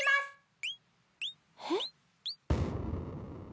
えっ？